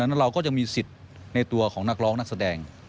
เราก็จะมีสิทธิ์ในตัวของนักร้องนักแสดง